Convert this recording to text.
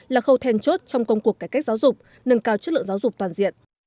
là khâu then chốt trong công cuộc cải cách giáo dục nâng cao chất lượng giáo dục toàn diện